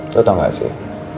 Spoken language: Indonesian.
lo tau gak sih